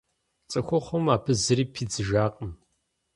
ЦӀыхухъум абы зыри пидзыжакъым.